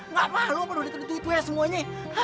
nggak malu apa lu ditentu itu ya semuanya